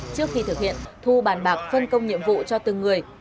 trước khi thực hiện thu bàn bạc phân công nhiệm vụ cho từng người